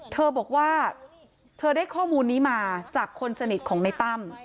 เธอบอกว่าเธอได้ข้อมูลนี้มาจากคนสนิทของในตั้ม